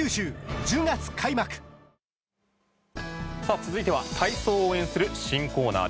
続いては体操を応援する新コーナー。